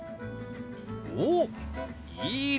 おっいいですね！